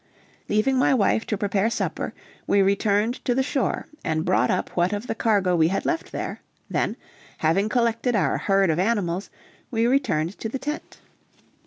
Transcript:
Leaving my wife to prepare supper, we returned to the shore and brought up what of the cargo we had left there; then, having collected our herd of animals, we returned to the tent.